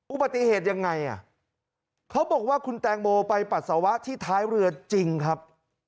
อุบัติเหตุยังไงอ่ะเขาบอกว่าคุณแตงโมไปปัสสาวะที่ท้ายเรือจริงครับ